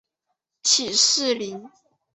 起士林。